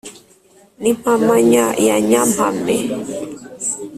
N'impamanya ya Nyampame